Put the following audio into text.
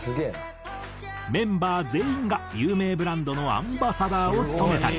メンバー全員が有名ブランドのアンバサダーを務めたり。